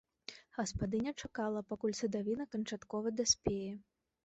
Гаспадыня чакала, пакуль садавіна канчаткова даспее.